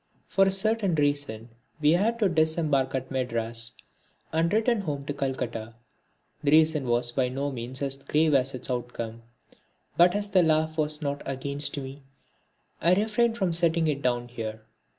For a certain reason we had to disembark at Madras and return home to Calcutta. The reason was by no means as grave as its outcome, but as the laugh was not against me, I refrain from setting it down here.